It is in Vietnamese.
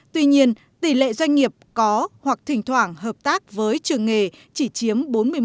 tuy nhiên tỷ lệ doanh nghiệp có hoặc thỉnh thoảng hợp tác với trường nghề chỉ chiếm bốn mươi một